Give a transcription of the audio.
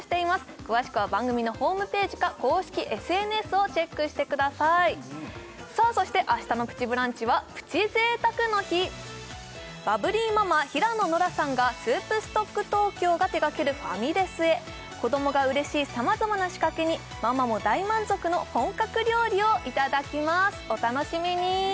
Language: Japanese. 詳しくは番組のホームページか公式ＳＮＳをチェックしてくださいさあそして明日の「プチブランチ」はプチ贅沢の日バブリーママ平野ノラさんがＳｏｕｐＳｔｏｃｋＴｏｋｙｏが手がけるファミレスへ子どもが嬉しいさまざまな仕掛けにママも大満足の本格料理をいただきますお楽しみに！